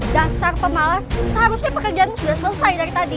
dasar pemalas seharusnya pekerjaan sudah selesai dari tadi